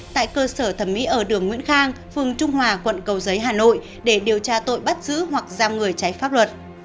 tại cơ sở thẩm mỹ ở đường nguyễn khang phường trung hòa quận cầu giấy hà nội để điều tra tội bắt giữ hoặc giam người trái pháp luật